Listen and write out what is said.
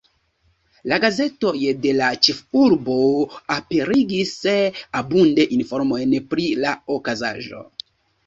La gazetoj de la ĉefurbo aperigis abunde informojn pri la okazaĵo.